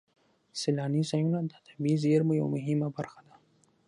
سیلاني ځایونه د طبیعي زیرمو یوه مهمه برخه ده.